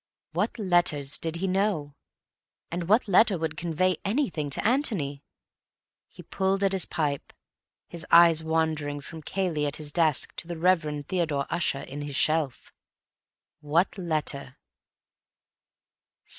What letters did he know? And what letter would convey anything to Antony?.... He pulled at his pipe, his eyes wandering from Cayley at his desk to the Reverend Theodore Ussher in his shelf. What letter?